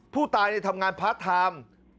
ผู้ตายทำงานพาร์ทไทม์